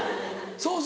そうそう。